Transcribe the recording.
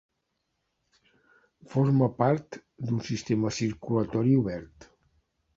Forma part d'un sistema circulatori obert.